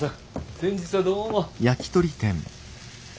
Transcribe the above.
先日はどうも。